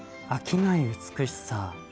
飽きない美しさ。